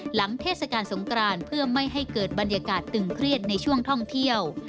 เทศกาลสงกรานเพื่อไม่ให้เกิดบรรยากาศตึงเครียดในช่วงท่องเที่ยว